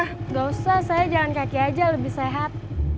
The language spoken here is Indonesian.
tidak usah saya jalan kaki aja lebih sehat